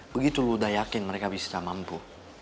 begitu lo udah yakin mereka bisa mampu